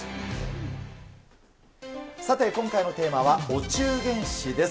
さて、今回のテーマはお中元史です。